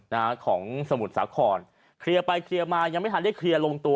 นะฮะของสมุทรสาครเคลียร์ไปเคลียร์มายังไม่ทันได้เคลียร์ลงตัว